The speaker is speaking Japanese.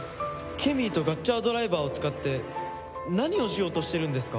ケミーとガッチャードライバーを使って何をしようとしてるんですか？